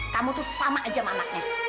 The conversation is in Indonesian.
kamu tuh sama aja sama anaknya